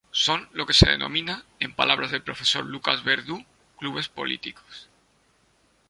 Son lo que se denomina, en palabras del profesor Lucas Verdú, clubes políticos.